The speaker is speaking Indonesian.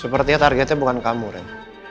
sepertinya targetnya bukan kamu ren